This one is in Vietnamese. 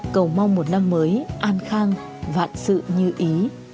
cầu mong một năm mới an khang vạn sự như ý